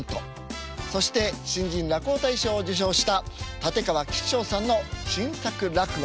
そして新人落語大賞を受賞した立川吉笑さんの新作落語。